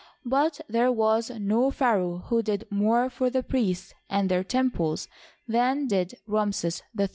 but there was no pharaoh who did more for the priests and their temples than did Ramses III.